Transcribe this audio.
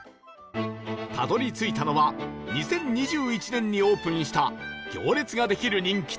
たどり着いたのは２０２１年にオープンした行列ができる人気店